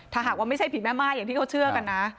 ถ้าหากว่าไม่ใช่ผีแม่ม่ายอย่างที่เขาเชื่อกันนะ